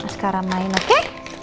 sekarang main oke